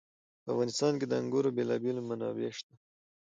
په افغانستان کې د انګورو بېلابېلې منابع شته دي.